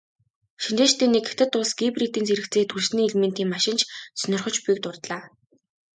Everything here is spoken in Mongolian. Шинжээчдийн нэг "Хятад улс гибридийн зэрэгцээ түлшний элементийн машин ч сонирхож буй"-г дурдлаа.